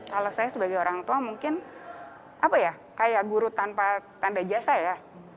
kalau saya sebagai orang tua mungkin apa ya kayak guru tanpa tanda jasa ya